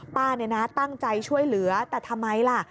ป้าตั้งใจช่วยเหลือแต่ทำไมล่ะ